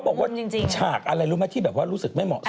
บอกว่าฉากอะไรรู้ไหมที่แบบว่ารู้สึกไม่เหมาะ